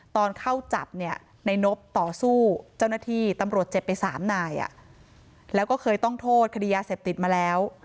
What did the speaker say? ตอนเข้าจับเนี่ยในนบต่อสู้เจ้าหน้าที่ตำรวจเจ็บไปสามนายแล้วก็เคยต้องโทษคดียาเสพติดมาแล้ว